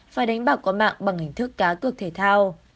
và đánh bạc có mạng bằng hình thức cá cược thể thao